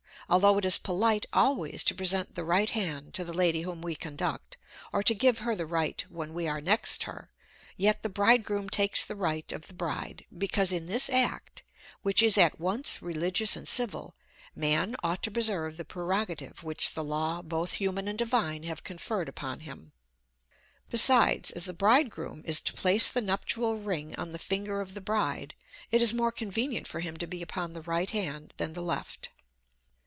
Although it is polite always to present the right hand to the lady whom we conduct, or to give her the right when we are next her, yet the bridegroom takes the right of the bride, because, in this act, which is at once religious and civil, man ought to preserve the prerogative which the law both human and divine have conferred upon him; besides, as the bridegroom is to place the nuptial ring on the finger of the bride, it is more convenient for him to be upon the right hand than the left.